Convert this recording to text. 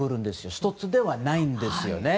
１つではないんですよね。